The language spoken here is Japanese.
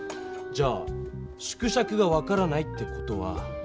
じゃあ縮尺が分からないって事は。